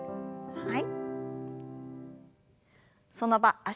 はい。